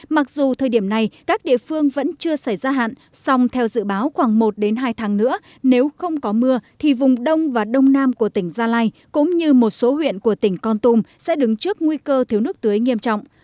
mặc dù thời điểm này các địa phương vẫn chưa xảy ra hạn song theo dự báo khoảng một hai tháng nữa nếu không có mưa thì vùng đông và đông nam của tỉnh gia lai cũng như một số huyện của tỉnh con tum sẽ đứng trước nguy cơ thiếu nước tưới nghiêm trọng